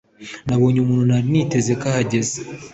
nabonye umuntu nari niteze ko ahagaze.